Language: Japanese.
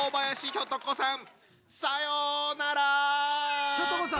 ひょと子さん！